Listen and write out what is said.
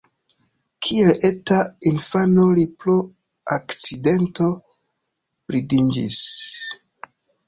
Kiel eta infano li pro akcidento blindiĝis.